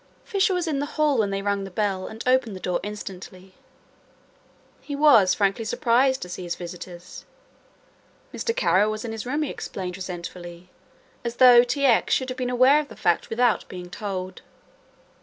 Fisher was in the hall when they rung the bell and opened the door instantly. He was frankly surprised to see his visitors. Mr. Kara was in his room he explained resentfully, as though T. X. should have been aware of the fact without being told.